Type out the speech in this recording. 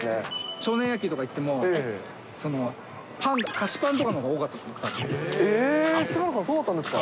少年野球とか行っても、菓子パンとかのほうが多かったですね。